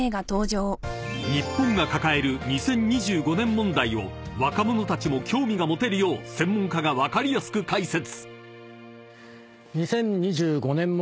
［日本が抱える２０２５年問題を若者たちも興味が持てるよう専門家が分かりやすく解説］